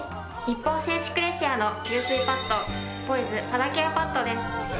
日本製紙クレシアの吸水パッドポイズ肌ケアパッドです。